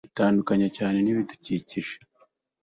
Itandukanye cyane nibidukikije